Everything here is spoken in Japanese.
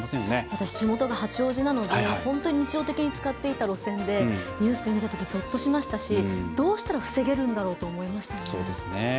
私、地元が八王子なので本当に日常的に使っていた路線でニュースで見たときぞっとしましたしどうしたら防げるんだろうと思いましたね。